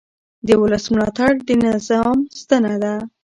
د ولس ملاتړ د نظام ستنه ده